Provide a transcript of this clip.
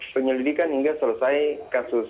penyelidikan hingga selesai kasus